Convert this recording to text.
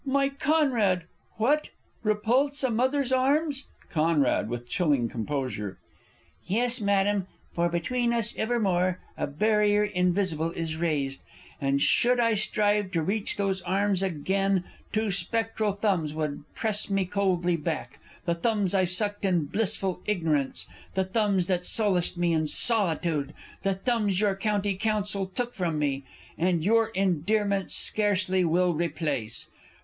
My CONRAD! What? repulse a Mother's Arms! Con. (with chilling composure). Yes, Madam, for between us ever more, A barrier invisible is raised, And should I strive to reach those arms again, Two spectral thumbs would press me coldly back The thumbs I sucked in blissful ignorance, The thumbs that solaced me in solitude, The thumbs your County Council took from me, And your endearments scarcely will replace!